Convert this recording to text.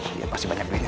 dia pasti banyak bingung